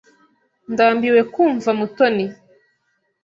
Ndambiwe kumva Mutoni.